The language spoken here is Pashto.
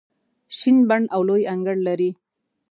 شین بڼ او لوی انګړ لري.